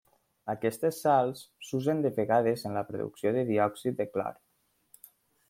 Aquestes sals s'usen de vegades en la producció de diòxid de clor.